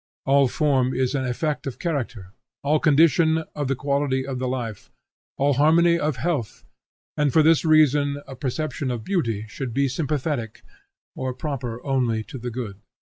All form is an effect of character; all condition, of the quality of the life; all harmony, of health; and for this reason a perception of beauty should be sympathetic, or proper only to the good.